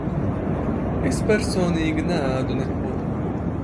Es personīgi neēdu neko.